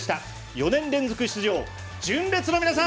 ４年連続出場、純烈の皆さん。